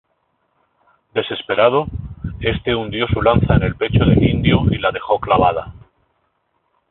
Desesperado, este hundió su lanza en el pecho del indio y la dejó clavada.